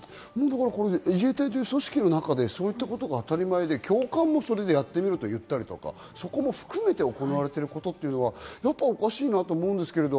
自衛隊という組織の中でそういったことが当たり前で教官もそれでやってみろと言ったり、そこも含めて行われていることはおかしいなと思うんですけど。